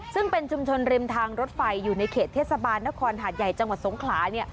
ซึ่งเป็นชุมชนริมทางรถไฟอยู่ในเขตเทศบาลนครหาดใหญ่จังหวัดสงขลา